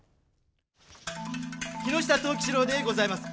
木下藤吉郎でございます。